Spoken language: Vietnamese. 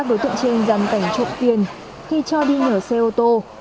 các đối tượng trên dành cảnh trộm tiền khi cho đi ngửa xe ô tô